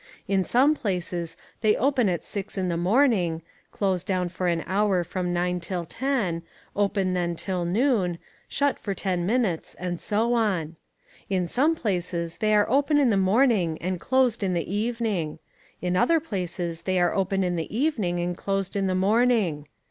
In some places they open at six in the morning, close down for an hour from nine till ten, open then till noon, shut for ten minutes, and so on; in some places they are open in the morning and closed in the evening; in other places they are open in the evening and closed in the morning.